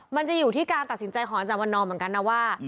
มันจะอยู่ที่การตัดสินใจของอาจารย์วันนอมเหมือนกันนะว่า